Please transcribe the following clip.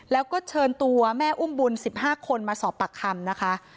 แล้วก็เชิญตัวแม่อุ้มบุญ๑๕คนมาสอบปากคำนะคะ